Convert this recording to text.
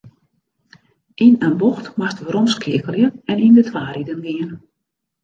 Yn in bocht moatst weromskeakelje en yn de twa riden gean.